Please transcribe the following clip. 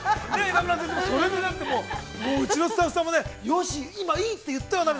今村先生も、それでなくてもうちのスタッフさんもねよし、今いいって言ったよな？